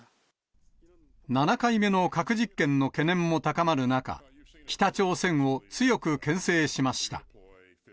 ７回目の核実験の懸念も高まる中、北朝鮮を強くけん制しました。